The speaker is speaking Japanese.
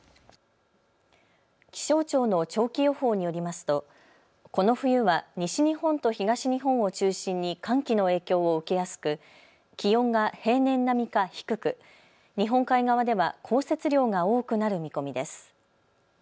気象庁の長期予報によりますとこの冬は西日本と東日本を中心に寒気の影響を受けやすく気温が平年並みか低く日本海側では降雪量が多くなる見込みです。